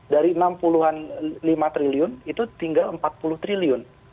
dari enam puluh an lima triliun itu tinggal empat puluh triliun